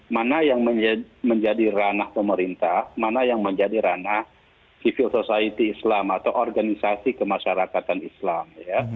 mana yang menjadi ranah pemerintah mana yang menjadi ranah civil society islam atau organisasi kemasyarakatan islam